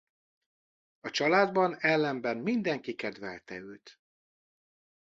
A családban ellenben mindenki kedvelte őt.